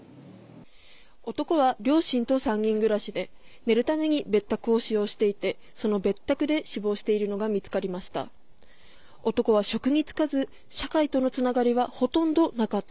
男は両親と３人暮らしで寝るために別宅を使用していてその別宅で死亡しているのが見つかりました。